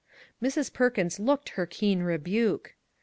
Mrs. Perkins looked her keen rebuke.